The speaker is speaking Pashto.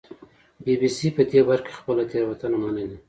بي بي سي په دې برخه کې خپله تېروتنه منلې